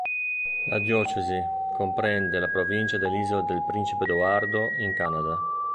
La diocesi comprende la provincia dell'Isola del Principe Edoardo in Canada.